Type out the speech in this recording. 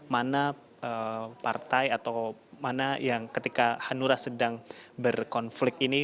mana partai atau mana yang ketika hanura sedang berkonflik ini